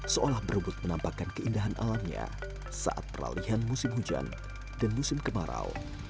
seolah berebut menampakkan keindahan alamnya saat peralihan musim hujan dan musim kemarau